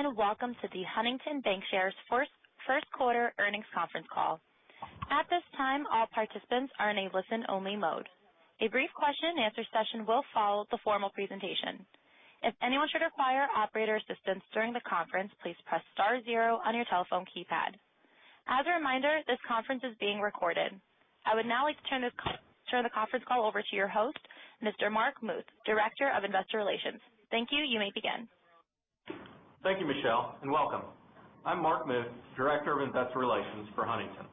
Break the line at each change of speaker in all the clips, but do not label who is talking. Greetings, welcome to the Huntington Bancshares first quarter earnings conference call. At this time, all participants are in a listen-only mode. A brief question and answer session will follow the formal presentation. If anyone should require operator assistance during the conference, please press star zero on your telephone keypad. As a reminder, this conference is being recorded. I would now like to turn the conference call over to your host, Mr. Mark Muth, Director of Investor Relations. Thank you. You may begin.
Thank you, Michelle, welcome. I'm Mark Muth, Director of Investor Relations for Huntington.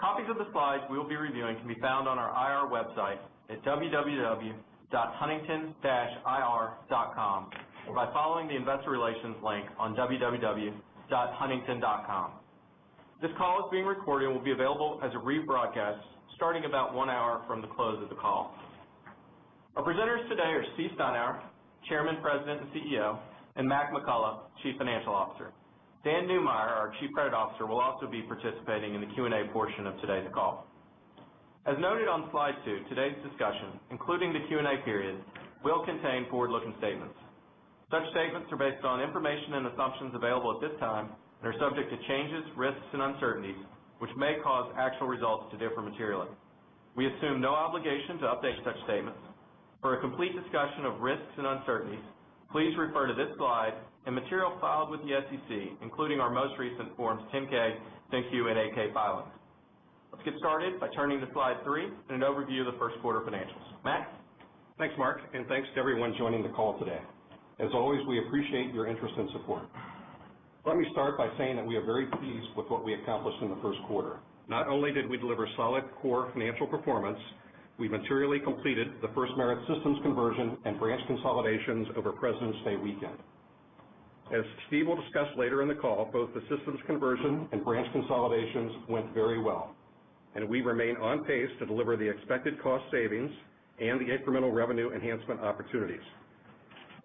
Copies of the slides we'll be reviewing can be found on our IR website at www.huntington-ir.com, or by following the Investor Relations link on www.huntington.com. This call is being recorded and will be available as a rebroadcast starting about one hour from the close of the call. Our presenters today are Steve Steinour, Chairman, President, and CEO, Mac McCullough, Chief Financial Officer. Dan Neumeyer, our Chief Credit Officer, will also be participating in the Q&A portion of today's call. As noted on slide two, today's discussion, including the Q&A period, will contain forward-looking statements. Such statements are based on information and assumptions available at this time and are subject to changes, risks, and uncertainties which may cause actual results to differ materially. We assume no obligation to update such statements. For a complete discussion of risks and uncertainties, please refer to this slide and material filed with the SEC, including our most recent Forms 10-K, 10-Q, and 8-K filings. Let's get started by turning to slide three and an overview of the first quarter financials. Mac?
Thanks, Mark, thanks to everyone joining the call today. As always, we appreciate your interest and support. Let me start by saying that we are very pleased with what we accomplished in the first quarter. Not only did we deliver solid core financial performance, we materially completed the FirstMerit systems conversion and branch consolidations over Presidents' Day weekend. As Steve will discuss later in the call, both the systems conversion and branch consolidations went very well, and we remain on pace to deliver the expected cost savings and the incremental revenue enhancement opportunities.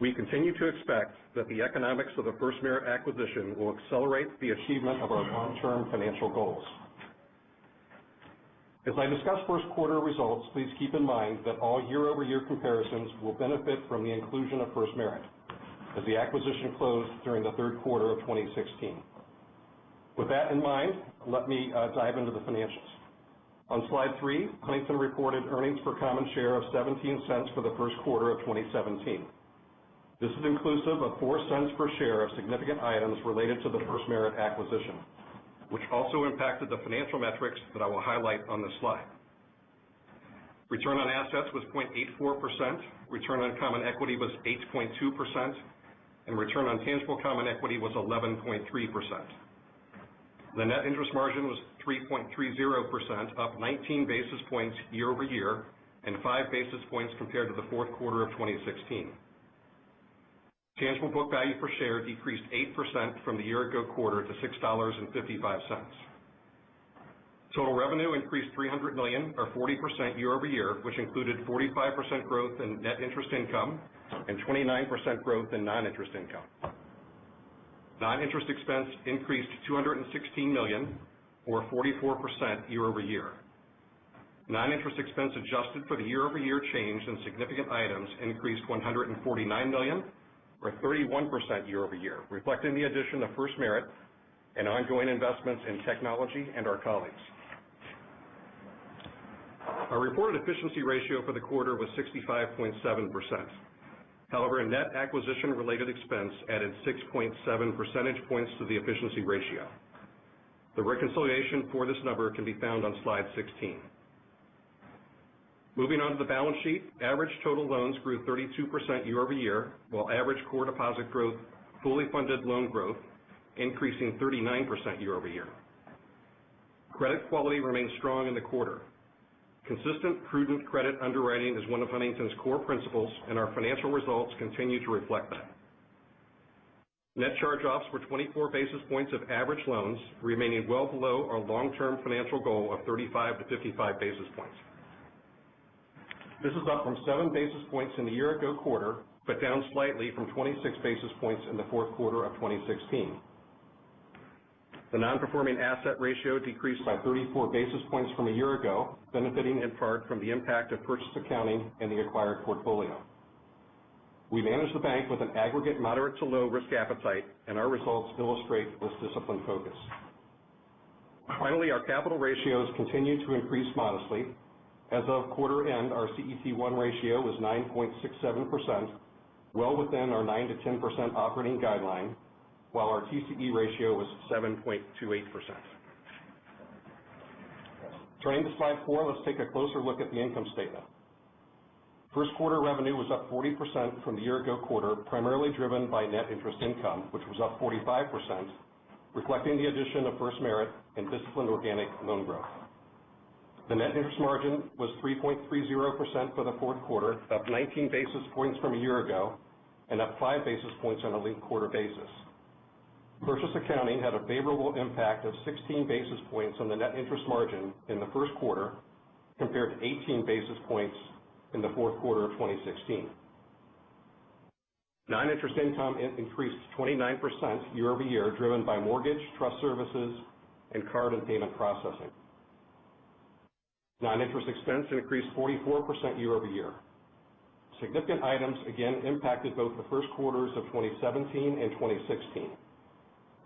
We continue to expect that the economics of the FirstMerit acquisition will accelerate the achievement of our long-term financial goals. As I discuss first quarter results, please keep in mind that all year-over-year comparisons will benefit from the inclusion of FirstMerit, as the acquisition closed during the third quarter of 2016. With that in mind, let me dive into the financials. On slide three, Huntington reported earnings per common share of $0.17 for the first quarter of 2017. This is inclusive of $0.04 per share of significant items related to the FirstMerit acquisition, which also impacted the financial metrics that I will highlight on this slide. Return on assets was 0.84%, return on common equity was 8.2%, and return on tangible common equity was 11.3%. The net interest margin was 3.30%, up 19 basis points year-over-year and five basis points compared to the fourth quarter of 2016. Tangible book value per share decreased 8% from the year ago quarter to $6.55. Total revenue increased $300 million or 40% year-over-year, which included 45% growth in net interest income and 29% growth in non-interest income. Non-interest expense increased to $216 million or 44% year-over-year. Non-interest expense adjusted for the year-over-year change in significant items increased $149 million or 31% year-over-year, reflecting the addition of FirstMerit and ongoing investments in technology and our colleagues. Our reported efficiency ratio for the quarter was 65.7%. However, a net acquisition-related expense added 6.7 percentage points to the efficiency ratio. The reconciliation for this number can be found on slide 16. Moving on to the balance sheet, average total loans grew 32% year-over-year, while average core deposit growth fully funded loan growth, increasing 39% year-over-year. Credit quality remains strong in the quarter. Consistent, prudent credit underwriting is one of Huntington's core principles, and our financial results continue to reflect that. Net charge-offs were 24 basis points of average loans, remaining well below our long-term financial goal of 35 to 55 basis points. This is up from seven basis points in the year ago quarter, down slightly from 26 basis points in the fourth quarter of 2016. The non-performing asset ratio decreased by 34 basis points from a year ago, benefiting in part from the impact of purchase accounting and the acquired portfolio. We manage the bank with an aggregate moderate to low risk appetite, and our results illustrate this disciplined focus. Our capital ratios continue to increase modestly. As of quarter end, our CET1 ratio was 9.67%, well within our 9%-10% operating guideline, while our TCE ratio was 7.28%. Turning to slide four, let's take a closer look at the income statement. First quarter revenue was up 40% from the year ago quarter, primarily driven by net interest income, which was up 45%, reflecting the addition of FirstMerit and disciplined organic loan growth. The net interest margin was 3.30% for the fourth quarter, up 19 basis points from a year ago and up five basis points on a linked quarter basis. Purchase accounting had a favorable impact of 16 basis points on the net interest margin in the first quarter, compared to 18 basis points in the fourth quarter of 2016. Non-interest income increased 29% year-over-year, driven by mortgage, trust services, and card and payment processing. Non-interest expense increased 44% year-over-year. Significant items again impacted both the first quarters of 2017 and 2016.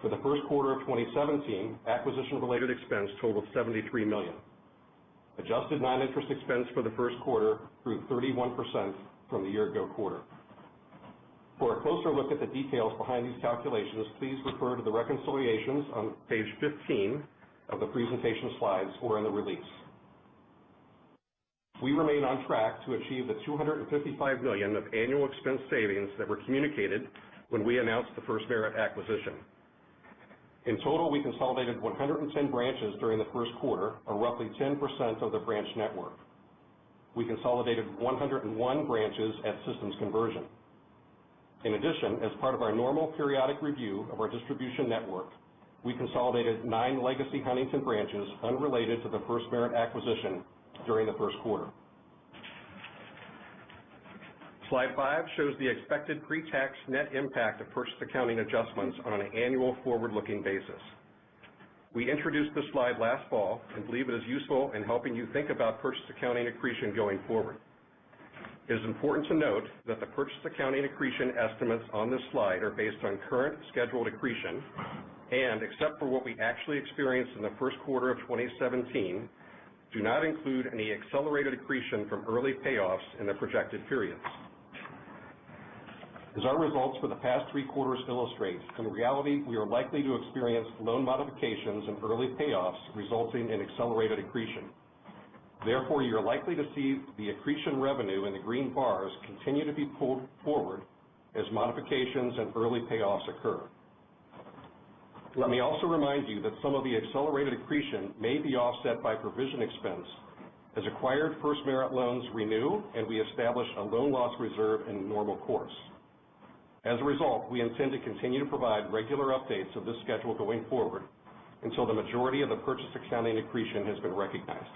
For the first quarter of 2017, acquisition-related expense totaled $73 million. Adjusted non-interest expense for the first quarter grew 31% from the year ago quarter. For a closer look at the details behind these calculations, please refer to the reconciliations on page 15 of the presentation slides or in the release. We remain on track to achieve the $255 million of annual expense savings that were communicated when we announced the FirstMerit acquisition. In total, we consolidated 110 branches during the first quarter, or roughly 10% of the branch network. We consolidated 101 branches at systems conversion. In addition, as part of our normal periodic review of our distribution network, we consolidated nine legacy Huntington branches unrelated to the FirstMerit acquisition during the first quarter. Slide five shows the expected pre-tax net impact of purchase accounting adjustments on an annual forward-looking basis. We introduced this slide last fall and believe it is useful in helping you think about purchase accounting accretion going forward. It is important to note that the purchase accounting accretion estimates on this slide are based on current scheduled accretion, and except for what we actually experienced in the first quarter of 2017, do not include any accelerated accretion from early payoffs in the projected periods. As our results for the past three quarters illustrate, in reality, we are likely to experience loan modifications and early payoffs resulting in accelerated accretion. Therefore, you're likely to see the accretion revenue in the green bars continue to be pulled forward as modifications and early payoffs occur. Let me also remind you that some of the accelerated accretion may be offset by provision expense as acquired FirstMerit loans renew and we establish a loan loss reserve in normal course. As a result, we intend to continue to provide regular updates of this schedule going forward until the majority of the purchase accounting accretion has been recognized.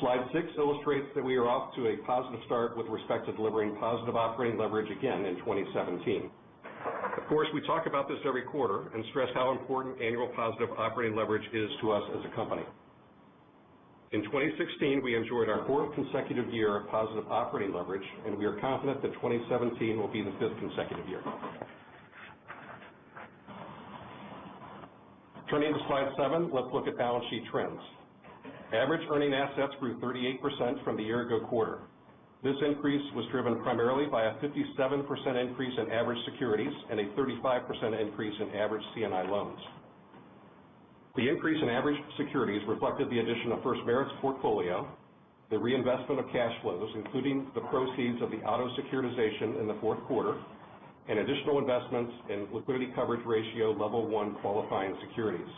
Slide six illustrates that we are off to a positive start with respect to delivering positive operating leverage again in 2017. Of course, we talk about this every quarter and stress how important annual positive operating leverage is to us as a company. In 2016, we enjoyed our fourth consecutive year of positive operating leverage, and we are confident that 2017 will be the fifth consecutive year. Turning to slide seven, let's look at balance sheet trends. Average earning assets grew 38% from the year ago quarter. This increase was driven primarily by a 57% increase in average securities and a 35% increase in average C&I loans. The increase in average securities reflected the addition of FirstMerit's portfolio, the reinvestment of cash flows, including the proceeds of the auto securitization in the fourth quarter, and additional investments in liquidity coverage ratio Level 1 qualifying securities.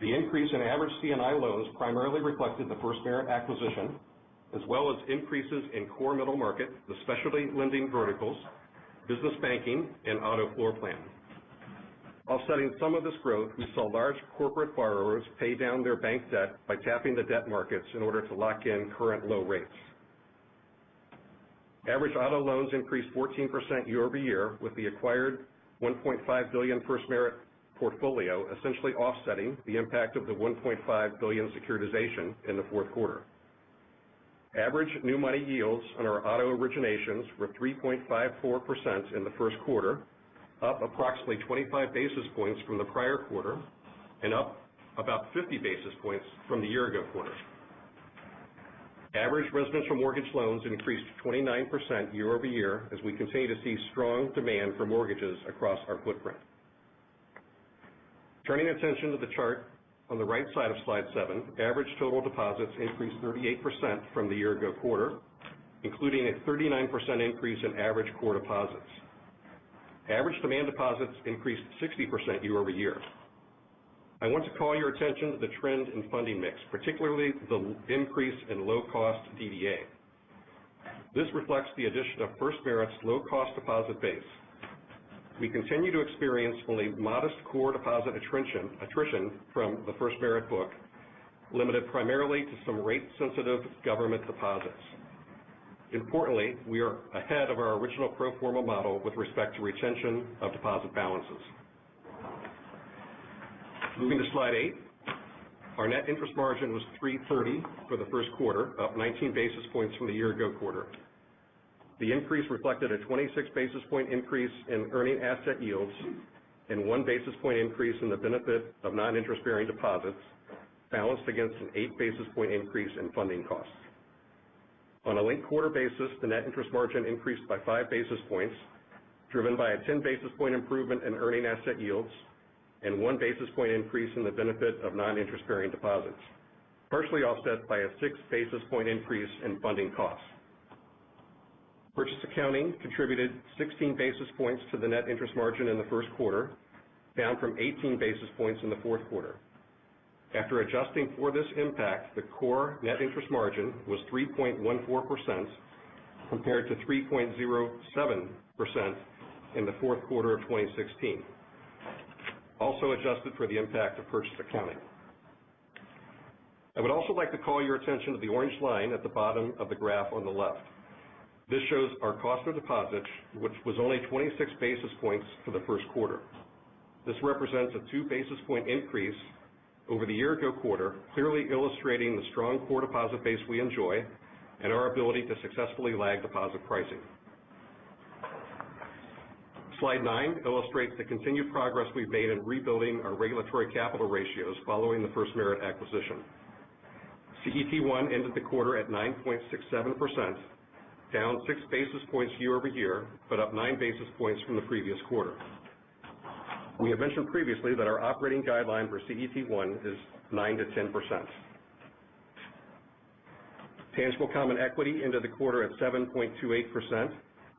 The increase in average C&I loans primarily reflected the FirstMerit acquisition, as well as increases in core middle market, the specialty lending verticals, business banking, and auto floor plans. Offsetting some of this growth, we saw large corporate borrowers pay down their bank debt by tapping the debt markets in order to lock in current low rates. Average auto loans increased 14% year-over-year with the acquired $1.5 billion FirstMerit portfolio essentially offsetting the impact of the $1.5 billion securitization in the fourth quarter. Average new money yields on our auto originations were 3.54% in the first quarter, up approximately 25 basis points from the prior quarter and up about 50 basis points from the year-ago quarter. Average residential mortgage loans increased 29% year-over-year as we continue to see strong demand for mortgages across our footprint. Turning attention to the chart on the right side of slide seven, average total deposits increased 38% from the year-ago quarter, including a 39% increase in average core deposits. Average demand deposits increased 60% year-over-year. I want to call your attention to the trend in funding mix, particularly the increase in low-cost DDA. This reflects the addition of FirstMerit's low-cost deposit base. We continue to experience only modest core deposit attrition from the FirstMerit book, limited primarily to some rate-sensitive government deposits. Importantly, we are ahead of our original pro forma model with respect to retention of deposit balances. Moving to slide eight. Our net interest margin was 3.30% for the first quarter, up 19 basis points from the year-ago quarter. The increase reflected a 26 basis point increase in earning asset yields and one basis point increase in the benefit of non-interest-bearing deposits, balanced against an eight basis point increase in funding costs. On a linked quarter basis, the net interest margin increased by five basis points, driven by a 10 basis point improvement in earning asset yields and one basis point increase in the benefit of non-interest-bearing deposits, partially offset by a six basis point increase in funding costs. Purchase accounting contributed 16 basis points to the net interest margin in the first quarter, down from 18 basis points in the fourth quarter. After adjusting for this impact, the core net interest margin was 3.14%, compared to 3.07% in the fourth quarter of 2016, also adjusted for the impact of purchase accounting. I would also like to call your attention to the orange line at the bottom of the graph on the left. This shows our cost of deposits, which was only 26 basis points for the first quarter. This represents a two basis point increase over the year-ago quarter, clearly illustrating the strong core deposit base we enjoy and our ability to successfully lag deposit pricing. Slide nine illustrates the continued progress we've made in rebuilding our regulatory capital ratios following the FirstMerit acquisition. CET1 ended the quarter at 9.67%, down six basis points year-over-year, but up nine basis points from the previous quarter. We have mentioned previously that our operating guideline for CET1 is 9%-10%. Tangible common equity ended the quarter at 7.28%,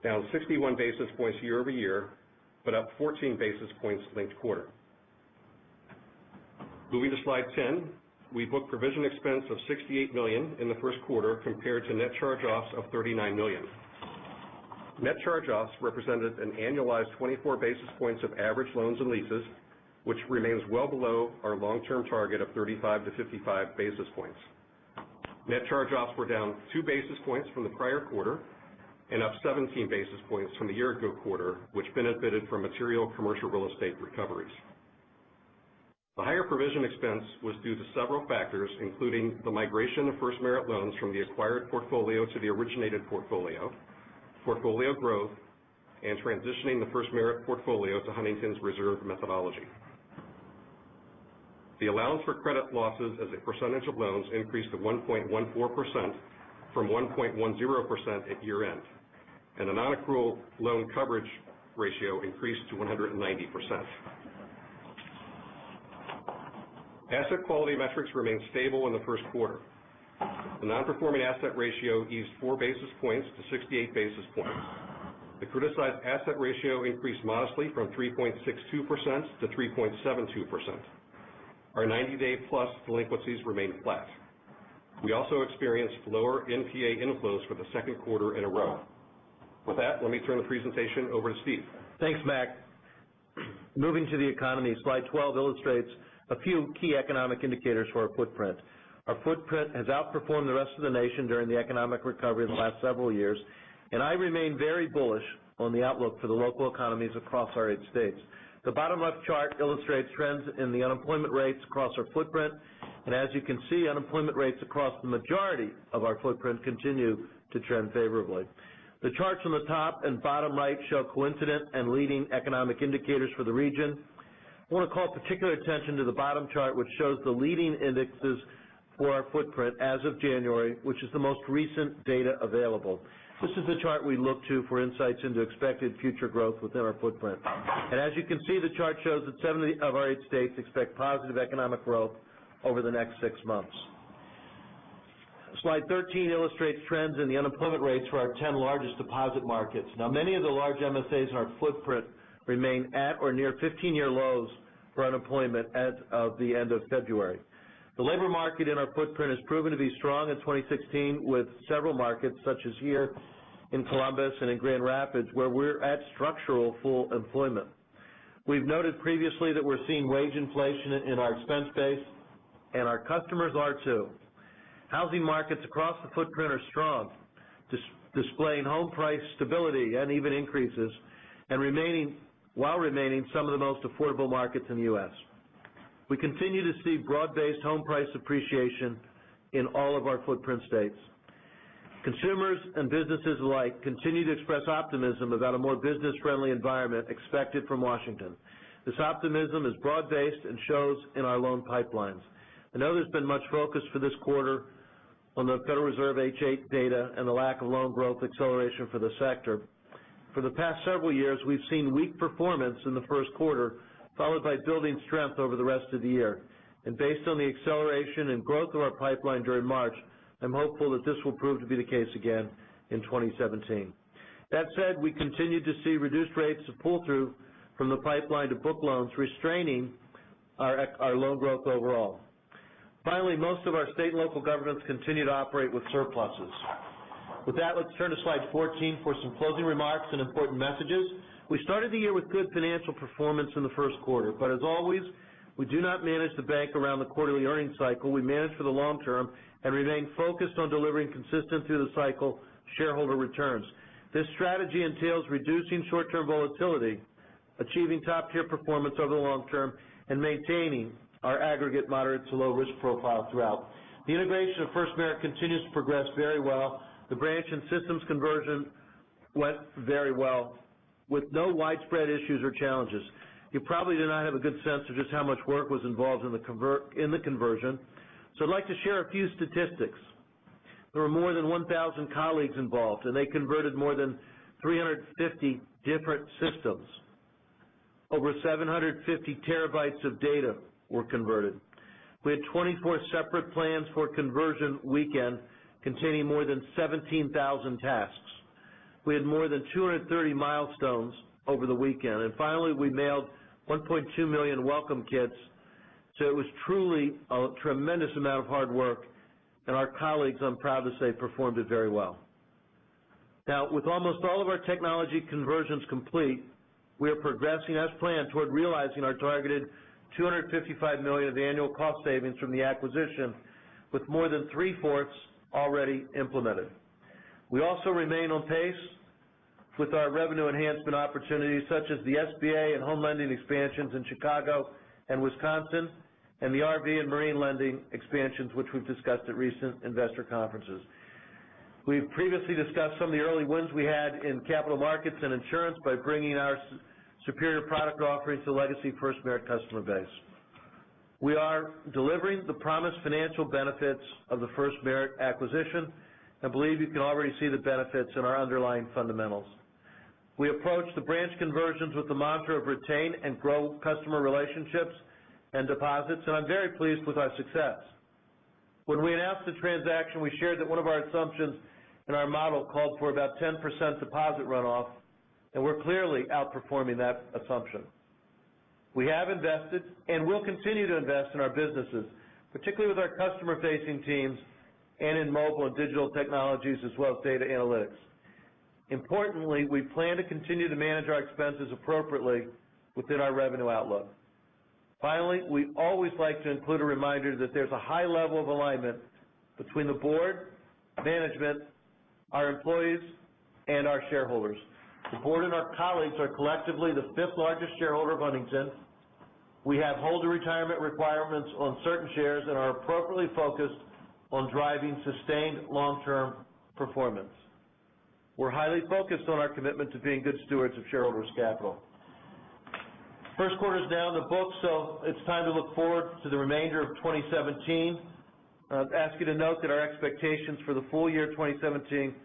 down 61 basis points year-over-year, but up 14 basis points linked quarter. Moving to slide 10, we booked provision expense of $68 million in the first quarter compared to net charge-offs of $39 million. Net charge-offs represented an annualized 24 basis points of average loans and leases, which remains well below our long-term target of 35-55 basis points. Net charge-offs were down two basis points from the prior quarter and up 17 basis points from the year-ago quarter, which benefited from material commercial real estate recoveries. The higher provision expense was due to several factors, including the migration of FirstMerit loans from the acquired portfolio to the originated portfolio growth, and transitioning the FirstMerit portfolio to Huntington's reserve methodology. The allowance for credit losses as a percentage of loans increased to 1.14% from 1.10% at year-end, and the non-accrual loan coverage ratio increased to 190%. Asset quality metrics remained stable in the first quarter. The non-performing asset ratio eased four basis points to 68 basis points. The criticized asset ratio increased modestly from 3.62% to 3.72%. Our 90-day plus delinquencies remained flat. We also experienced lower NPA inflows for the second quarter in a row. With that, let me turn the presentation over to Steve.
Thanks, Mac. Moving to the economy, slide 12 illustrates a few key economic indicators for our footprint. Our footprint has outperformed the rest of the nation during the economic recovery of the last several years. I remain very bullish on the outlook for the local economies across our eight states. The bottom left chart illustrates trends in the unemployment rates across our footprint. As you can see, unemployment rates across the majority of our footprint continue to trend favorably. The charts on the top and bottom right show coincident and leading economic indicators for the region. I want to call particular attention to the bottom chart, which shows the leading indexes for our footprint as of January, which is the most recent data available. This is the chart we look to for insights into expected future growth within our footprint. As you can see, the chart shows that seven of our eight states expect positive economic growth over the next six months. Slide 13 illustrates trends in the unemployment rates for our 10 largest deposit markets. Now, many of the large MSAs in our footprint remain at or near 15-year lows for unemployment as of the end of February. The labor market in our footprint has proven to be strong in 2016, with several markets such as here in Columbus and in Grand Rapids, where we're at structural full employment. We've noted previously that we're seeing wage inflation in our expense base, and our customers are too. Housing markets across the footprint are strong, displaying home price stability and even increases, while remaining some of the most affordable markets in the U.S. We continue to see broad-based home price appreciation in all of our footprint states. Consumers and businesses alike continue to express optimism about a more business-friendly environment expected from Washington. This optimism is broad-based and shows in our loan pipelines. I know there's been much focus for this quarter on the Federal Reserve H8 data and the lack of loan growth acceleration for the sector. For the past several years, we've seen weak performance in the first quarter, followed by building strength over the rest of the year. Based on the acceleration and growth of our pipeline during March, I'm hopeful that this will prove to be the case again in 2017. That said, we continue to see reduced rates of pull-through from the pipeline to book loans, restraining our loan growth overall. Finally, most of our state and local governments continue to operate with surpluses. With that, let's turn to slide 14 for some closing remarks and important messages. We started the year with good financial performance in the first quarter. As always, we do not manage the bank around the quarterly earnings cycle. We manage for the long term and remain focused on delivering consistent through the cycle shareholder returns. This strategy entails reducing short-term volatility, achieving top-tier performance over the long term, and maintaining our aggregate moderate to low risk profile throughout. The integration of FirstMerit continues to progress very well. The branch and systems conversion went very well with no widespread issues or challenges. You probably do not have a good sense of just how much work was involved in the conversion, so I'd like to share a few statistics. There were more than 1,000 colleagues involved, and they converted more than 350 different systems. Over 750 terabytes of data were converted. We had 24 separate plans for conversion weekend containing more than 17,000 tasks. We had more than 230 milestones over the weekend. Finally, we mailed 1.2 million welcome kits. It was truly a tremendous amount of hard work, and our colleagues, I'm proud to say, performed it very well. Now, with almost all of our technology conversions complete, we are progressing as planned toward realizing our targeted $255 million of annual cost savings from the acquisition, with more than three-fourths already implemented. We also remain on pace with our revenue enhancement opportunities, such as the SBA and home lending expansions in Chicago and Wisconsin, and the RV and marine lending expansions, which we've discussed at recent investor conferences. We've previously discussed some of the early wins we had in capital markets and insurance by bringing our superior product offerings to the legacy FirstMerit customer base. We are delivering the promised financial benefits of the FirstMerit acquisition. I believe you can already see the benefits in our underlying fundamentals. We approach the branch conversions with the mantra of retain and grow customer relationships and deposits, and I'm very pleased with our success. When we announced the transaction, we shared that one of our assumptions in our model called for about 10% deposit runoff, and we're clearly outperforming that assumption. We have invested and will continue to invest in our businesses, particularly with our customer-facing teams and in mobile and digital technologies, as well as data analytics. Importantly, we plan to continue to manage our expenses appropriately within our revenue outlook. Finally, we always like to include a reminder that there's a high level of alignment between the board, management, our employees, and our shareholders. The board and our colleagues are collectively the fifth largest shareholder of Huntington. We have holder retirement requirements on certain shares and are appropriately focused on driving sustained long-term performance. First quarter's now in the books, it's time to look forward to the remainder of 2017. I'd ask you to note that our expectations for the full year 2017 are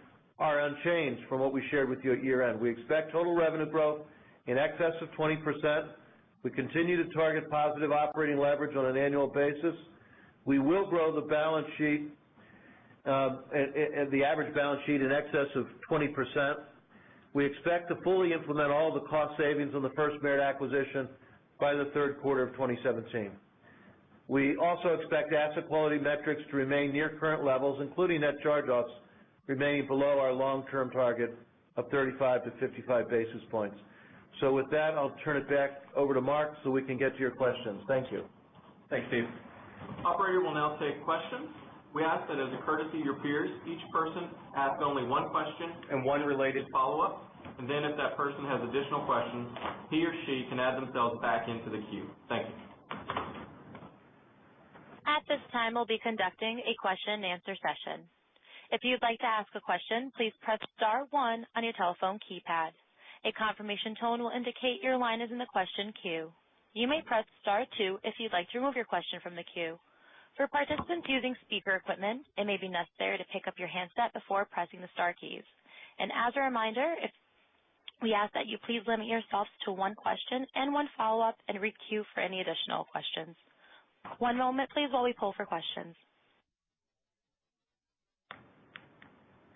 unchanged from what we shared with you at year-end. We expect total revenue growth in excess of 20%. We continue to target positive operating leverage on an annual basis. We will grow the average balance sheet in excess of 20%. We expect to fully implement all the cost savings on the FirstMerit acquisition by the third quarter of 2017. We also expect asset quality metrics to remain near current levels, including net charge-offs remaining below our long-term target of 35 to 55 basis points. With that, I'll turn it back over to Mark so we can get to your questions. Thank you.
Thanks, Steve. Operator, we'll now take questions. We ask that as a courtesy to your peers, each person ask only one question and one related follow-up. Then if that person has additional questions, he or she can add themselves back into the queue. Thank you.
At this time, we'll be conducting a question and answer session. If you'd like to ask a question, please press star one on your telephone keypad. A confirmation tone will indicate your line is in the question queue. You may press star two if you'd like to remove your question from the queue. For participants using speaker equipment, it may be necessary to pick up your handset before pressing the star keys. As a reminder, we ask that you please limit yourselves to one question and one follow-up, and re-queue for any additional questions. One moment, please, while we poll for questions.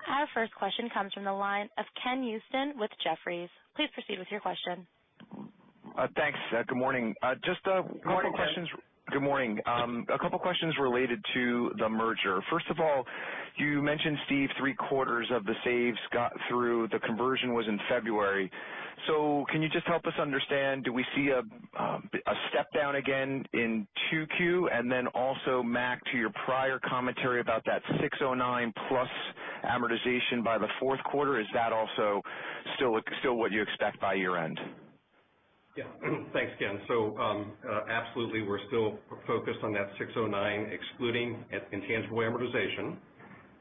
Our first question comes from the line of Ken Usdin with Jefferies. Please proceed with your question.
Thanks. Good morning. Morning, Ken. Good morning. A couple questions related to the merger. First of all, you mentioned, Steve, three-quarters of the saves got through. The conversion was in February. Can you just help us understand, do we see a step down again in 2Q? Then also, Mac, to your prior commentary about that 609 plus amortization by the fourth quarter, is that also still what you expect by year-end?
Thanks, Ken. Absolutely, we're still focused on that 609, excluding intangible amortization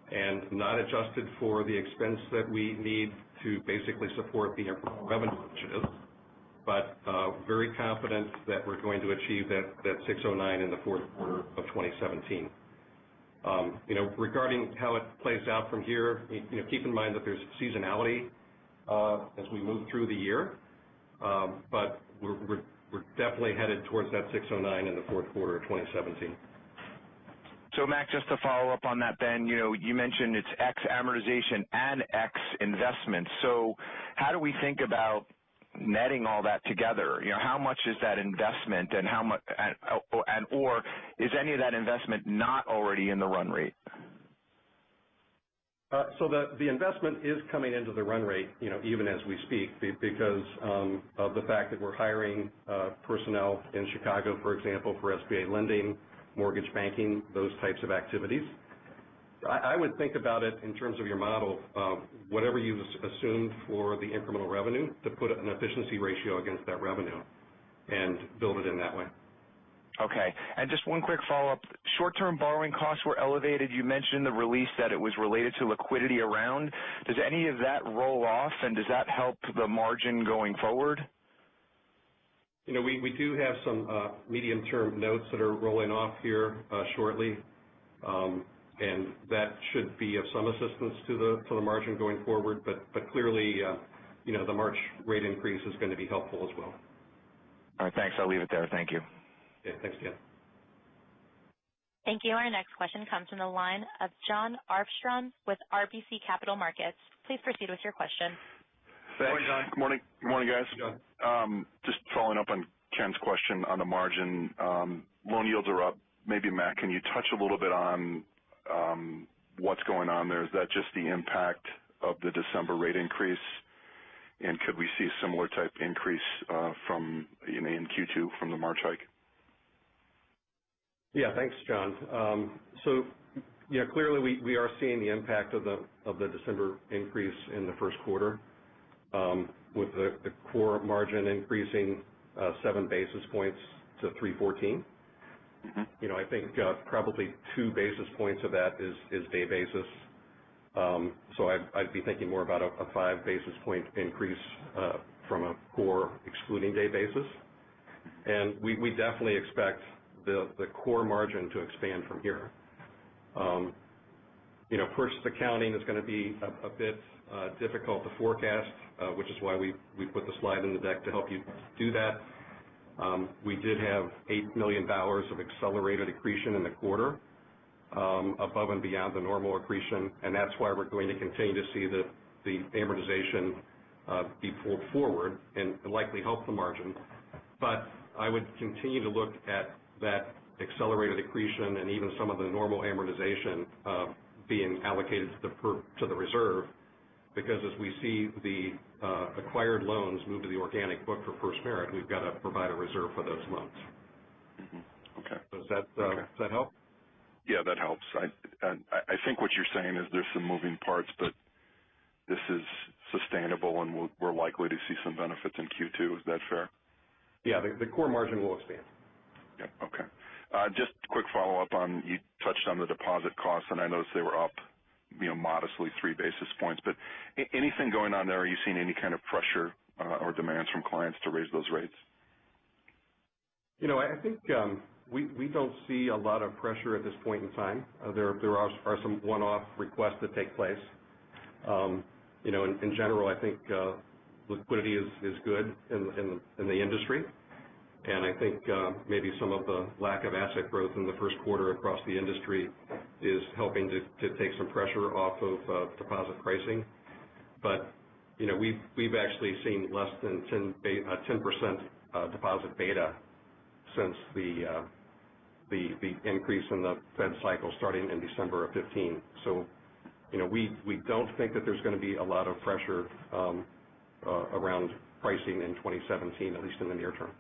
and not adjusted for the expense that we need to basically support the incremental revenue but very confident that we're going to achieve that 609 in the fourth quarter of 2017. Regarding how it plays out from here, keep in mind that there's seasonality as we move through the year. We're definitely headed towards that 609 in the fourth quarter of 2017.
Mac, just to follow up on that then. You mentioned it's ex amortization and ex investment. How do we think about netting all that together? How much is that investment, and/or is any of that investment not already in the run rate?
The investment is coming into the run rate even as we speak because of the fact that we're hiring personnel in Chicago, for example, for SBA lending, mortgage banking, those types of activities. I would think about it in terms of your model of whatever you assumed for the incremental revenue to put an efficiency ratio against that revenue and build it in that way.
Okay. Just one quick follow-up. Short-term borrowing costs were elevated. You mentioned in the release that it was related to liquidity around. Does any of that roll off, and does that help the margin going forward?
We do have some medium-term notes that are rolling off here shortly. That should be of some assistance to the margin going forward. Clearly, the March rate increase is going to be helpful as well.
All right. Thanks. I'll leave it there. Thank you.
Yeah. Thanks, Ken.
Thank you. Our next question comes from the line of Jon Arfstrom with RBC Capital Markets. Please proceed with your question.
Thanks.
Morning, Jon.
Morning. Morning, guys. Morning, Jon.
Just following up on Ken's question on the margin. Loan yields are up. Maybe Mac, can you touch a little bit on what's going on there? Is that just the impact of the December rate increase? Could we see a similar type increase in Q2 from the March hike? Yeah. Thanks, Jon. Clearly we are seeing the impact of the December increase in the first quarter with the core margin increasing seven basis points to 314. I think probably two basis points of that is day basis. I'd be thinking more about a five basis point increase from a core excluding day basis. We definitely expect the core margin to expand from here. Purchase accounting is going to be a bit difficult to forecast which is why we put the slide in the deck to help you do that. We did have $8 million of accelerated accretion in the quarter above and beyond the normal accretion, that's why we're going to continue to see the amortization be pulled forward and likely help the margin. I would continue to look at that accelerated accretion and even some of the normal amortization being allocated to the reserve because as we see the acquired loans move to the organic book for FirstMerit, we've got to provide a reserve for those loans.
Okay.
Does that help?
Yeah, that helps. I think what you're saying is there's some moving parts, but this is sustainable and we're likely to see some benefits in Q2. Is that fair?
Yeah. The core margin will expand.
Yeah. Okay. Just quick follow-up on, you touched on the deposit costs, and I noticed they were up modestly three basis points. Anything going on there? Are you seeing any kind of pressure or demands from clients to raise those rates?
I think we don't see a lot of pressure at this point in time. There are some one-off requests that take place. In general, I think liquidity is good in the industry, and I think maybe some of the lack of asset growth in the first quarter across the industry is helping to take some pressure off of deposit pricing. We've actually seen less than 10% deposit beta since the increase in the Fed cycle starting in December of 2015. We don't think that there's going to be a lot of pressure around pricing in 2017, at least in the near term.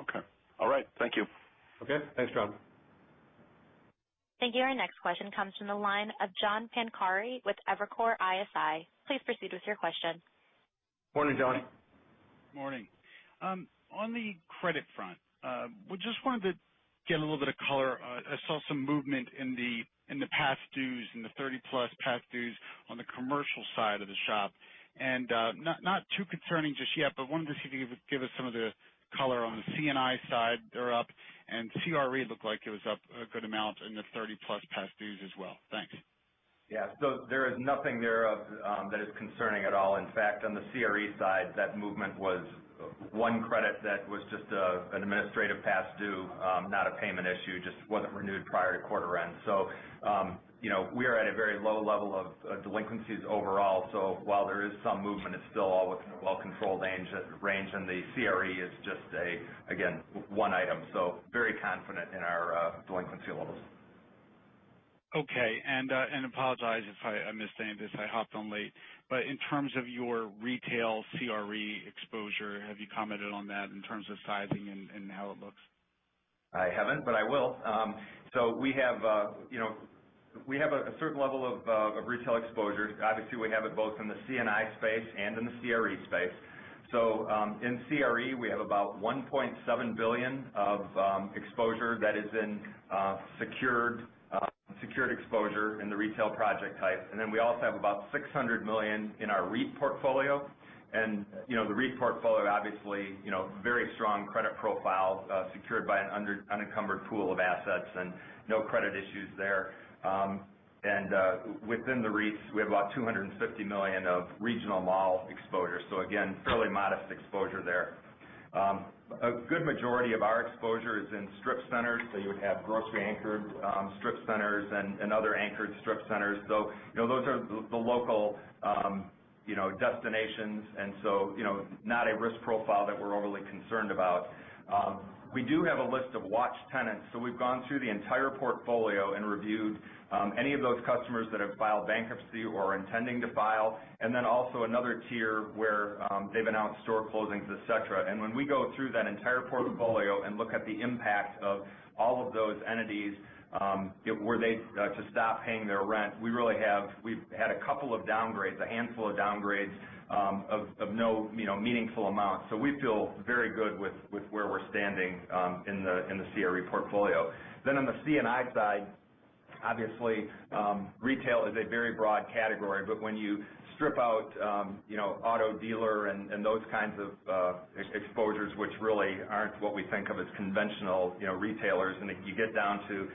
Okay. All right. Thank you.
Okay. Thanks, John.
Thank you. Our next question comes from the line of John Pancari with Evercore ISI. Please proceed with your question.
Morning, John.
Morning. On the credit front, just wanted to get a little bit of color. I saw some movement in the past dues, in the 30-plus past dues on the commercial side of the shop. Not too concerning just yet, but wanted to see if you could give us some of the color on the C&I side. They're up, and CRE looked like it was up a good amount in the 30-plus past dues as well. Thanks.
Yeah. There is nothing there that is concerning at all. In fact, on the CRE side, that movement was one credit that was just an administrative past due, not a payment issue. Just wasn't renewed prior to quarter end. We are at a very low level of delinquencies overall. While there is some movement, it's still all within a well-controlled range. The CRE is just, again, one item. Very confident in our delinquency levels.
Okay. Apologize if I'm misstating this, I hopped on late. In terms of your retail CRE exposure, have you commented on that in terms of sizing and how it looks?
I haven't, but I will. We have a certain level of retail exposure. Obviously, we have it both in the C&I space and in the CRE space. In CRE, we have about $1.7 billion of exposure that is in secured exposure in the retail project type. Then we also have about $600 million in our REIT portfolio. The REIT portfolio, obviously very strong credit profile secured by an unencumbered pool of assets and no credit issues there. Within the REITs, we have about $250 million of regional mall exposure. Again, fairly modest exposure there. A good majority of our exposure is in strip centers, so you would have grocery-anchored strip centers and other anchored strip centers. Those are the local destinations, and not a risk profile that we're overly concerned about. We do have a list of watch tenants. We've gone through the entire portfolio and reviewed any of those customers that have filed bankruptcy or are intending to file. Also another tier where they've announced store closings, et cetera. When we go through that entire portfolio and look at the impact of all of those entities were they to stop paying their rent, we've had a couple of downgrades, a handful of downgrades of no meaningful amount. We feel very good with where we're standing in the CRE portfolio. On the C&I side, obviously retail is a very broad category, but when you strip out auto dealer and those kinds of exposures which really aren't what we think of as conventional retailers, and you get down to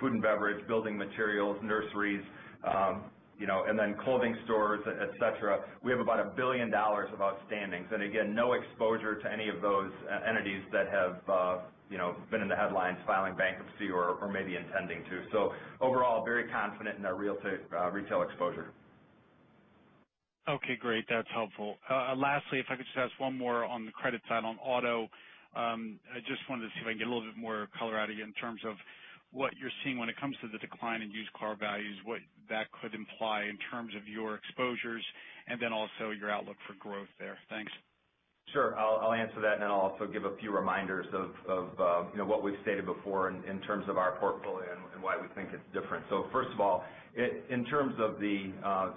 food and beverage, building materials, nurseries and clothing stores, et cetera, we have about $1 billion of outstandings. Again, no exposure to any of those entities that have been in the headlines filing bankruptcy or maybe intending to. Overall, very confident in our retail exposure.
Okay, great. That's helpful. Lastly, if I could just ask one more on the credit side on auto. I just wanted to see if I can get a little bit more color out of you in terms of what you're seeing when it comes to the decline in used car values, what that could imply in terms of your exposures, and then also your outlook for growth there. Thanks.
Sure. I'll answer that, and then I'll also give a few reminders of what we've stated before in terms of our portfolio and why we think it's different. First of all, in terms of the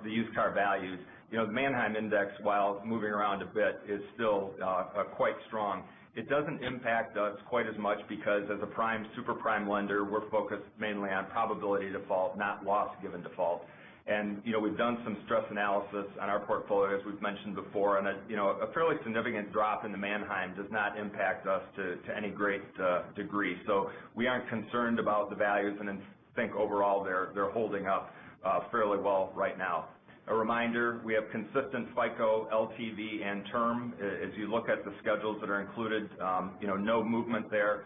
used car values, the Manheim Index, while moving around a bit, is still quite strong. It doesn't impact us quite as much because as a prime, super prime lender, we're focused mainly on probability default, not loss given default. We've done some stress analysis on our portfolio, as we've mentioned before, and a fairly significant drop in the Manheim does not impact us to any great degree. We aren't concerned about the values and think overall they're holding up fairly well right now. A reminder, we have consistent FICO, LTV, and term. If you look at the schedules that are included, no movement there.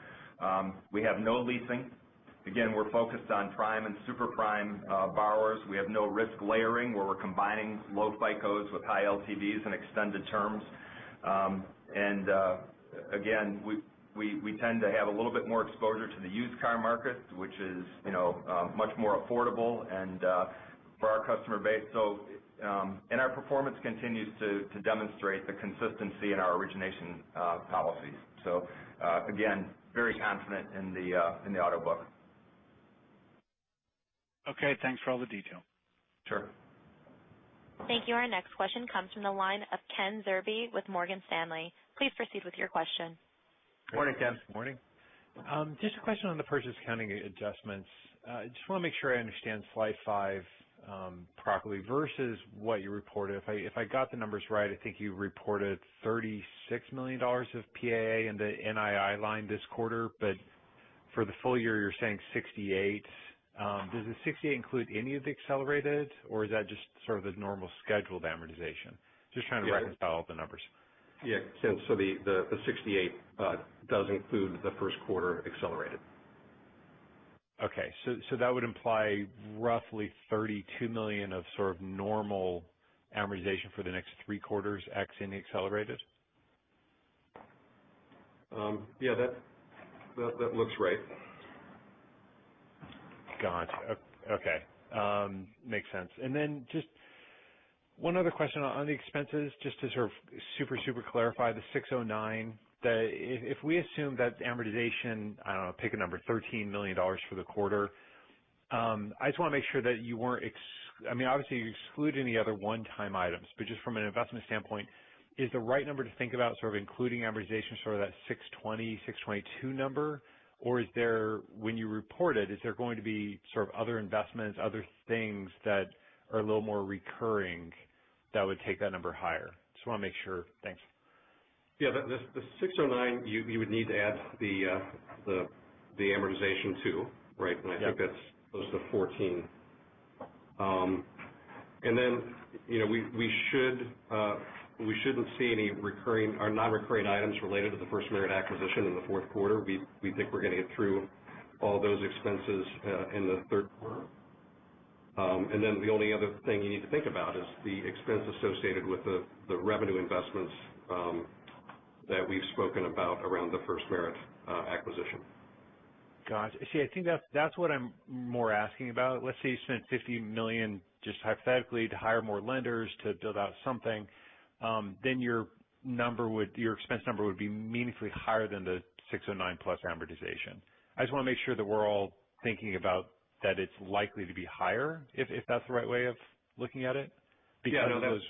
We have no leasing. Again, we're focused on prime and super prime borrowers. We have no risk layering where we're combining low FICOs with high LTVs and extended terms. Again, we tend to have a little bit more exposure to the used car market, which is much more affordable and for our customer base. Our performance continues to demonstrate the consistency in our origination policies. Again, very confident in the auto book.
Okay, thanks for all the detail.
Sure.
Thank you. Our next question comes from the line of Kenneth Zerbe with Morgan Stanley. Please proceed with your question.
Morning, Ken.
Morning. Just a question on the purchase accounting adjustments. I just want to make sure I understand slide five properly versus what you reported. If I got the numbers right, I think you reported $36 million of PAA in the NII line this quarter. For the full year, you're saying 68. Does the 68 include any of the accelerated, or is that just sort of the normal scheduled amortization? Just trying to reconcile all the numbers.
Yeah. The 68 does include the first quarter accelerated.
Okay. That would imply roughly $32 million of sort of normal amortization for the next three quarters, X any accelerated?
Yeah, that looks right.
Gotcha. Okay. Makes sense. Just one other question on the expenses, just to sort of super clarify the 609. If we assume that amortization, I don't know, pick a number, $13 million for the quarter. I just want to make sure that obviously you exclude any other one-time items, but just from an investment standpoint, is the right number to think about sort of including amortization sort of that 620, 622 number? Or when you report it, is there going to be sort of other investments, other things that are a little more recurring that would take that number higher? Just want to make sure. Thanks.
Yeah. The 609, you would need to add the amortization too, right?
Yeah.
I think that's close to 14. We shouldn't see any non-recurring items related to the FirstMerit acquisition in the fourth quarter. We think we're going to get through all those expenses in the third quarter. The only other thing you need to think about is the expense associated with the revenue investments that we've spoken about around the FirstMerit acquisition.
I think that's what I'm more asking about. Let's say you spent $50 million, just hypothetically, to hire more lenders to build out something. Your expense number would be meaningfully higher than the $609 plus amortization. I just want to make sure that we're all thinking about that it's likely to be higher, if that's the right way of looking at it.
Yeah. That's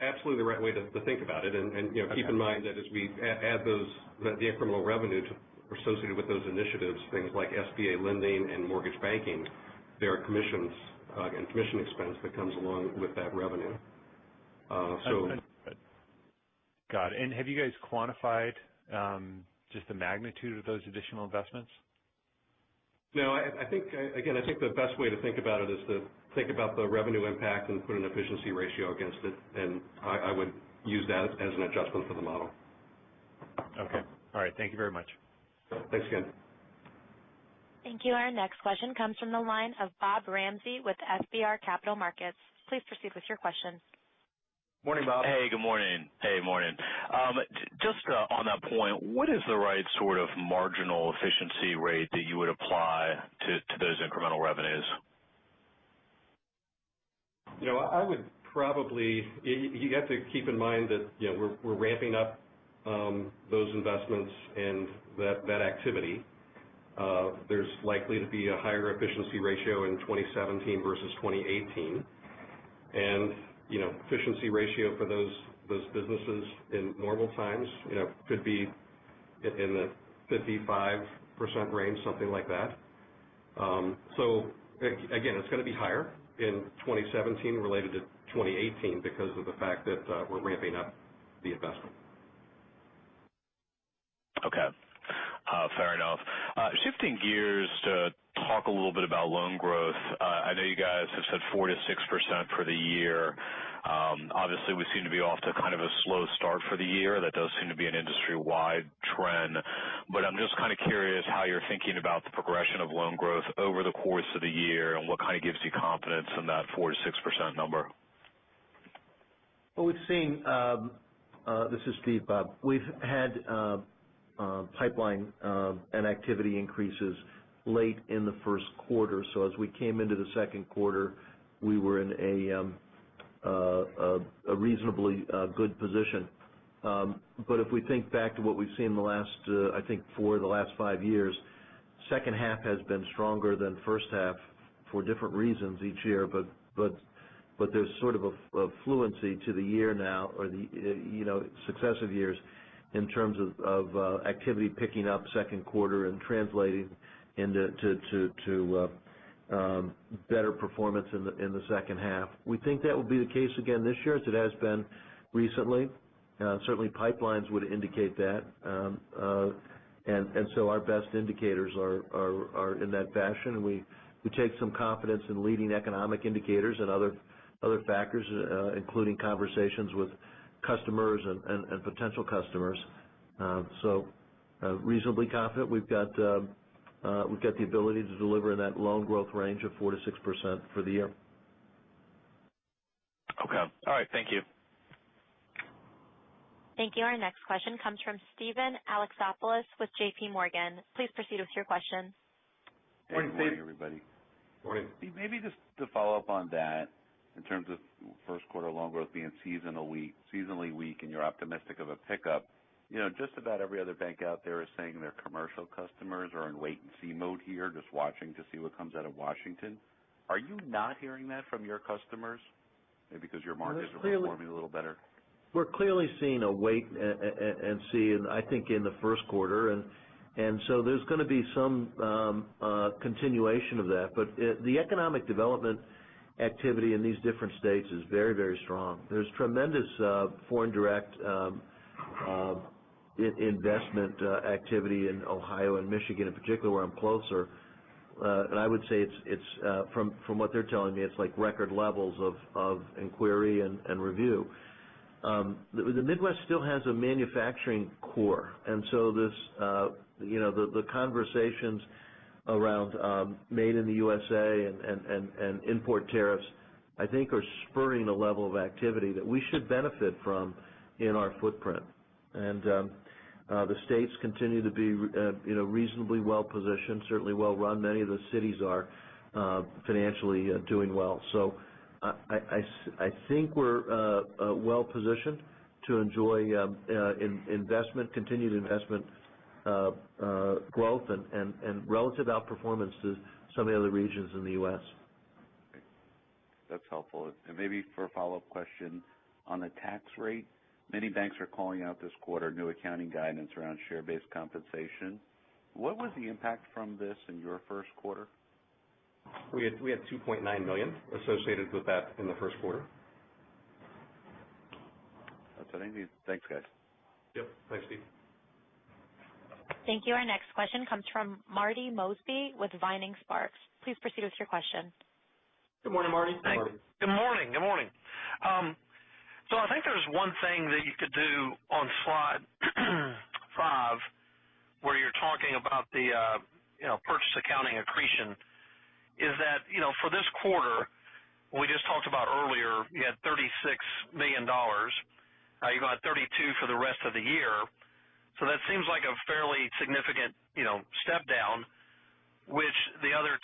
absolutely the right way to think about it.
Okay.
Keep in mind that as we add the incremental revenue associated with those initiatives, things like SBA lending and mortgage banking, there are commissions and commission expense that comes along with that revenue.
Got it. Have you guys quantified just the magnitude of those additional investments?
No. Again, I think the best way to think about it is to think about the revenue impact and put an efficiency ratio against it, and I would use that as an adjustment for the model.
Okay. All right. Thank you very much.
Thanks, Ken.
Thank you. Our next question comes from the line of Bob Ramsey with FBR Capital Markets. Please proceed with your question.
Morning, Bob.
Hey, good morning. Hey, morning. Just on that point, what is the right sort of marginal efficiency rate that you would apply to those incremental revenues?
You have to keep in mind that we're ramping up those investments and that activity. There's likely to be a higher efficiency ratio in 2017 versus 2018. Efficiency ratio for those businesses in normal times could be in the 55% range, something like that. Again, it's going to be higher in 2017 related to 2018 because of the fact that we're ramping up the investment.
Okay. Fair enough. Shifting gears to talk a little bit about loan growth. I know you guys have said four to 6% for the year. Obviously, we seem to be off to kind of a slow start for the year. That does seem to be an industry-wide trend. I'm just kind of curious how you're thinking about the progression of loan growth over the course of the year, and what kind of gives you confidence in that 4%-6% number.
Well, we've seen This is Steve, Bob. We've had pipeline and activity increases late in the first quarter. As we came into the second quarter, we were in a reasonably good position. If we think back to what we've seen, I think, for the last five years, second half has been stronger than first half for different reasons each year. There's sort of a fluency to the year now, or successive years, in terms of activity picking up second quarter and translating into better performance in the second half. We think that will be the case again this year, as it has been recently. Certainly, pipelines would indicate that. Our best indicators are in that fashion, and we take some confidence in leading economic indicators and other factors, including conversations with customers and potential customers. Reasonably confident we've got the ability to deliver in that loan growth range of 4%-6% for the year.
Okay. All right. Thank you.
Thank you. Our next question comes from Steven Alexopoulos with J.P. Morgan. Please proceed with your question.
Morning, Steve.
Morning. Maybe just to follow up on that in terms of first quarter loan growth being seasonally weak and you're optimistic of a pickup. Just about every other bank out there is saying their commercial customers are in wait and see mode here, just watching to see what comes out of Washington. Are you not hearing that from your customers? Maybe because your markets-
Well, it's clearly-
-are performing a little better.
We're clearly seeing a wait and see, and I think in the first quarter. There's going to be some continuation of that. The economic development activity in these different states is very strong. There's tremendous foreign direct investment activity in Ohio and Michigan, in particular, where I'm closer. I would say from what they're telling me, it's like record levels of inquiry and review. The Midwest still has a manufacturing core, and so the conversations around Made in the U.S.A. and import tariffs, I think, are spurring a level of activity that we should benefit from in our footprint. The states continue to be reasonably well-positioned, certainly well-run. Many of the cities are financially doing well. I think we're well-positioned to enjoy continued investment growth and relative outperformance to some of the other regions in the U.S.
Great. That's helpful. Maybe for a follow-up question on the tax rate. Many banks are calling out this quarter new accounting guidance around share-based compensation. What was the impact from this in your first quarter?
We had $2.9 million associated with that in the first quarter.
That's what I need. Thanks, guys.
Yep. Thanks, Steve.
Thank you. Our next question comes from Marty Mosby with Vining Sparks. Please proceed with your question.
Good morning, Marty.
Good morning. I think there's one thing that you could do on slide five, where you're talking about the purchase accounting accretion, is that for this quarter, we just talked about earlier, you had $36 million. Now you've got $32 million for the rest of the year. That seems like a fairly significant step down, which the other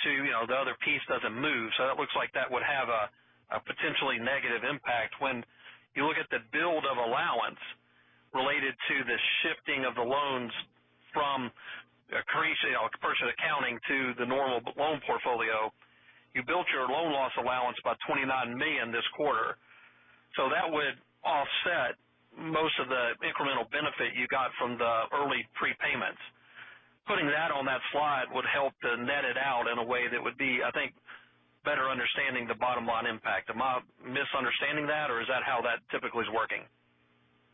piece doesn't move. That looks like that would have a potentially negative impact. When you look at the build of allowance related to the shifting of the loans from accretion purchase accounting to the normal loan portfolio, you built your loan loss allowance by $29 million this quarter. That would offset most of the incremental benefit you got from the early prepayments. Putting that on that slide would help to net it out in a way that would be, I think, better understanding the bottom-line impact. Am I misunderstanding that, or is that how that typically is working?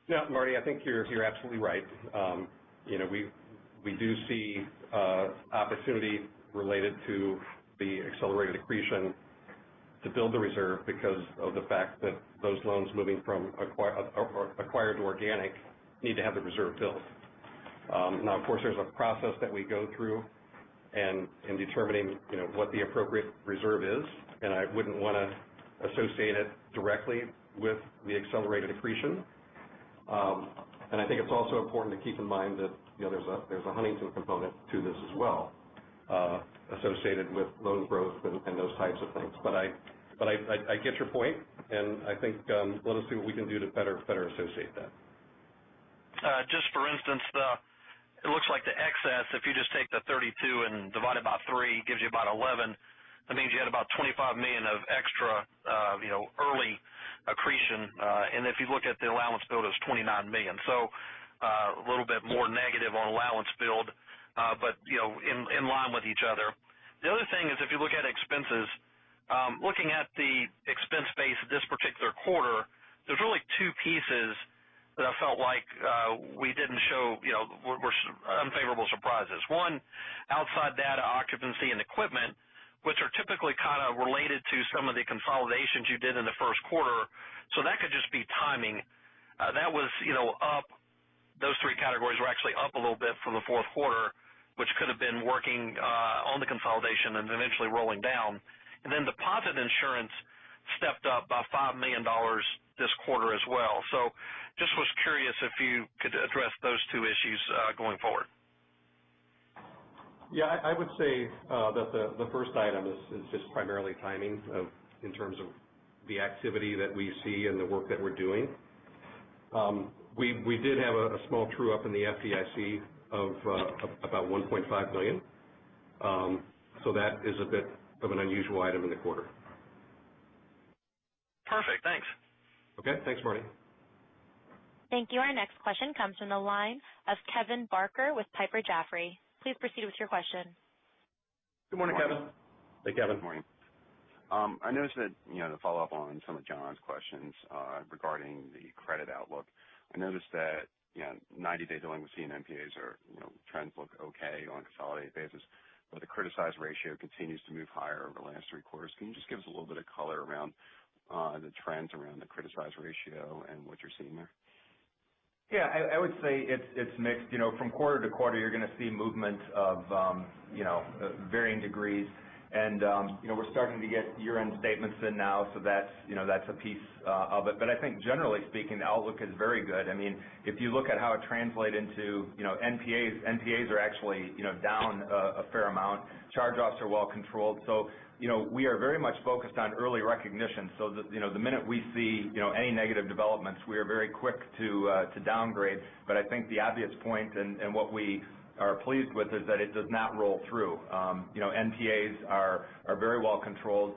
No, Marty, I think you're absolutely right. We do see opportunity related to the accelerated accretion to build the reserve because of the fact that those loans moving from acquired to organic need to have the reserve built. Now, of course, there's a process that we go through in determining what the appropriate reserve is, and I wouldn't want to associate it directly with the accelerated accretion. I think it's also important to keep in mind that there's a Huntington component to this as well associated with loan growth and those types of things. I get your point, and I think let us see what we can do to better associate that.
Just for instance, it looks like the excess, if you just take the 32 and divide it by 3, gives you about 11. That means you had about $25 million of extra early accretion. If you look at the allowance build, it was $29 million. A little bit more negative on allowance build, but in line with each other. The other thing is if you look at expenses. Looking at the expense base this particular quarter, there's really two pieces That I felt like we didn't show were unfavorable surprises. One, outsourced data occupancy and equipment, which are typically kind of related to some of the consolidations you did in the first quarter. That could just be timing. Those 3 categories were actually up a little bit from the fourth quarter, which could have been working on the consolidation and eventually rolling down. Deposit insurance stepped up by $5 million this quarter as well. Just was curious if you could address those 2 issues going forward.
I would say that the first item is just primarily timing in terms of the activity that we see and the work that we're doing. We did have a small true-up in the FDIC of about $1.5 million. That is a bit of an unusual item in the quarter.
Perfect. Thanks.
Okay. Thanks, Marty.
Thank you. Our next question comes from the line of Kevin Barker with Piper Jaffray. Please proceed with your question.
Good morning, Kevin.
Hey, Kevin.
Good morning. To follow up on some of John's questions regarding the credit outlook. I noticed that 90-day delinquency and NPAs trends look okay on a consolidated basis, but the criticized ratio continues to move higher over the last three quarters. Can you just give us a little bit of color around the trends around the criticized ratio and what you're seeing there?
Yeah, I would say it's mixed. From quarter to quarter, you're going to see movement of varying degrees. We're starting to get year-end statements in now, so that's a piece of it. I think generally speaking, the outlook is very good. If you look at how it translate into NPAs are actually down a fair amount. Charge-offs are well controlled. We are very much focused on early recognition so that the minute we see any negative developments, we are very quick to downgrade. I think the obvious point and what we are pleased with is that it does not roll through. NPAs are very well controlled.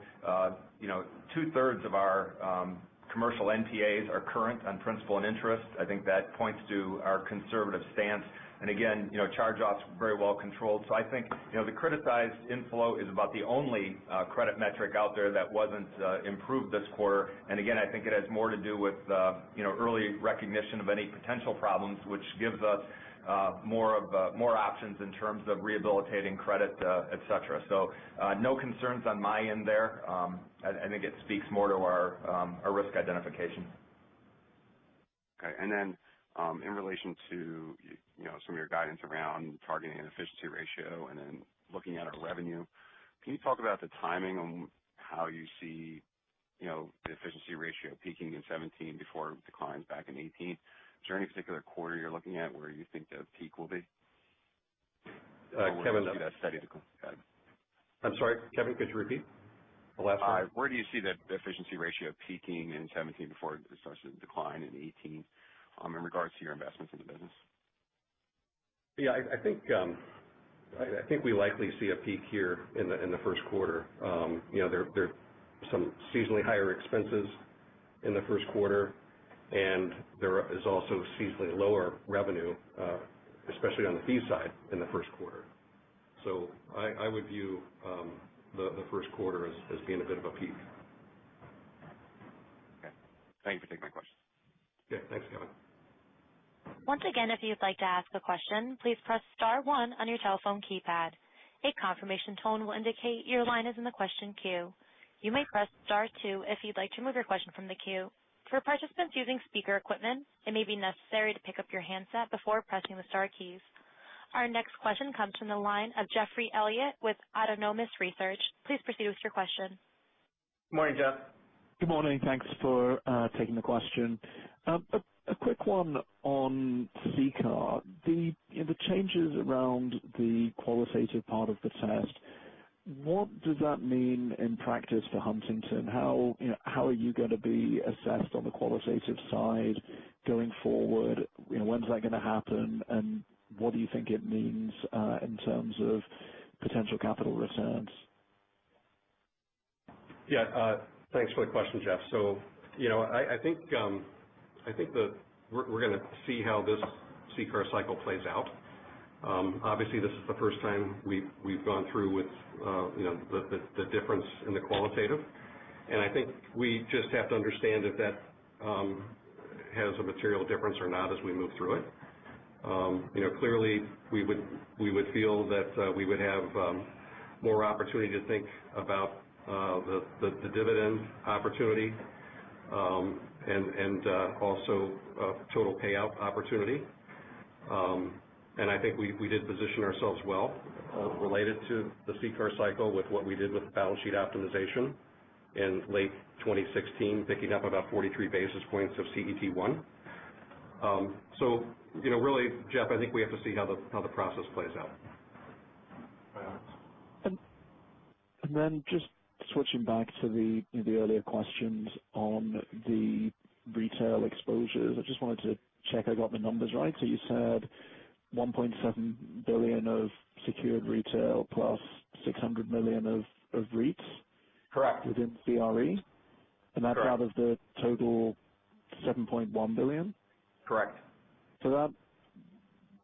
Two-thirds of our commercial NPAs are current on principal and interest. I think that points to our conservative stance. Again, charge-offs very well controlled. I think the criticized inflow is about the only credit metric out there that wasn't improved this quarter. Again, I think it has more to do with early recognition of any potential problems, which gives us more options in terms of rehabilitating credit, et cetera. No concerns on my end there. I think it speaks more to our risk identification.
Okay. In relation to some of your guidance around targeting an efficiency ratio and then looking at our revenue, can you talk about the timing on how you see the efficiency ratio peaking in 2017 before it declines back in 2018? Is there any particular quarter you're looking at where you think the peak will be?
Kevin- Where do you see that steady decline? Got it. I'm sorry, Kevin, could you repeat the last part?
Where do you see the efficiency ratio peaking in 2017 before it starts to decline in 2018 in regards to your investments in the business?
Yeah, I think we likely see a peak here in the first quarter. There are some seasonally higher expenses in the first quarter, and there is also seasonally lower revenue, especially on the fee side in the first quarter. I would view the first quarter as being a bit of a peak.
Okay. Thank you for taking my question.
Yeah. Thanks, Kevin.
Once again, if you'd like to ask a question, please press star one on your telephone keypad. A confirmation tone will indicate your line is in the question queue. You may press star two if you'd like to remove your question from the queue. For participants using speaker equipment, it may be necessary to pick up your handset before pressing the star keys. Our next question comes from the line of Geoffrey Elliott with Autonomous Research. Please proceed with your question.
Morning, Geoff.
Good morning. Thanks for taking the question. A quick one on CCAR. The changes around the qualitative part of the test, what does that mean in practice for Huntington? How are you going to be assessed on the qualitative side going forward? When's that going to happen, and what do you think it means in terms of potential capital returns?
Yeah. Thanks for the question, Geoff. I think we're going to see how this CCAR cycle plays out. Obviously, this is the first time we've gone through with the difference in the qualitative. I think we just have to understand if that has a material difference or not as we move through it. Clearly we would feel that we would have more opportunity to think about the dividend opportunity and also total payout opportunity. I think we did position ourselves well related to the CCAR cycle with what we did with the balance sheet optimization in late 2016, picking up about 43 basis points of CET1. Really, Geoff, I think we have to see how the process plays out. Go ahead.
Just switching back to the earlier questions on the retail exposures. I just wanted to check I got the numbers right. You said $1.7 billion of secured retail plus $600 million of REITs?
Correct.
Within CRE?
Correct.
That's out of the total $7.1 billion?
Correct.
That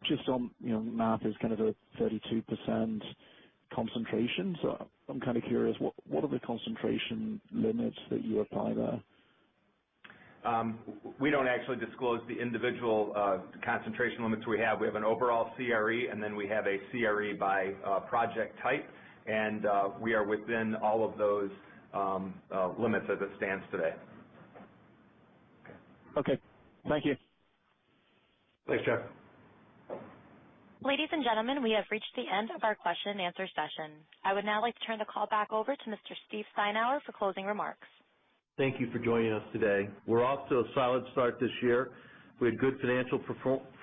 just on math is kind of a 32% concentration. I'm kind of curious, what are the concentration limits that you apply there?
We don't actually disclose the individual concentration limits we have. We have an overall CRE, we have a CRE by project type. We are within all of those limits as it stands today.
Okay. Thank you.
Thanks, Geoff.
Ladies and gentlemen, we have reached the end of our question and answer session. I would now like to turn the call back over to Mr. Steve Steinour for closing remarks.
Thank you for joining us today. We're off to a solid start this year. We had good financial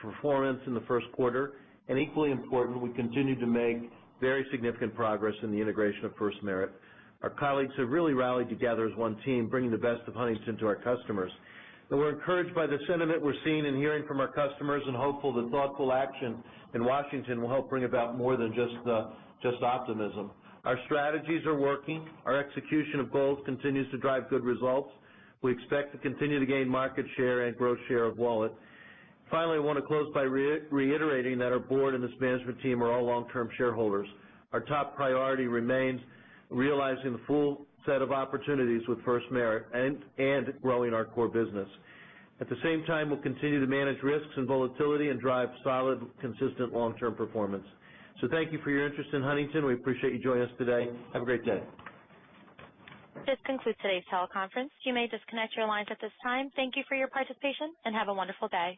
performance in the first quarter, and equally important, we continue to make very significant progress in the integration of FirstMerit. Our colleagues have really rallied together as one team, bringing the best of Huntington to our customers. We're encouraged by the sentiment we're seeing and hearing from our customers and hopeful that thoughtful action in Washington will help bring about more than just optimism. Our strategies are working. Our execution of goals continues to drive good results. We expect to continue to gain market share and grow share of wallet. Finally, I want to close by reiterating that our board and this management team are all long-term shareholders. Our top priority remains realizing the full set of opportunities with FirstMerit and growing our core business. At the same time, we'll continue to manage risks and volatility and drive solid, consistent long-term performance. Thank you for your interest in Huntington. We appreciate you joining us today. Have a great day.
This concludes today's teleconference. You may disconnect your lines at this time. Thank you for your participation, and have a wonderful day.